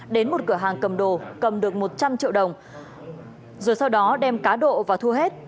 đến một cửa hàng cầm đồ cầm được một trăm linh triệu đồng rồi sau đó đem cá độ và thua hết